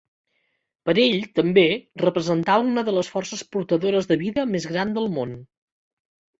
Per ell, també, representava una de les forces portadores de vida més gran del món.